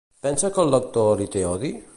Pensa que el lector li té odi?